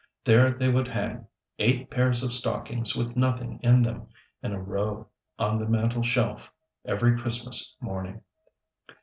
There they would hang eight pairs of stockings with nothing in them, in a row on the mantel shelf, every Christmas morning.